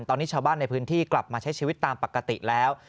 ตอนนี้ชาวบ้านในพื้นที่กลับมาใช้ชีวิตตามปกติแล้ว